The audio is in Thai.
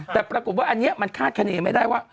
แต่ปรากฏว่าอันนี้มันคาดคณีไม่ได้ว่า